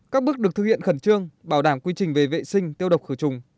các bước được thực hiện khẩn trương bảo đảm quy trình về vệ sinh tiêu độc khử trùng